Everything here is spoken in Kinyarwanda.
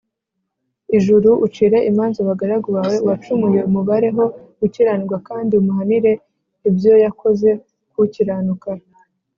ijuru ucire imanza abagaragu bawe uwacumuye umubareho gukiranirwa kandi umuhanire ibyo yakoze k ukiranuka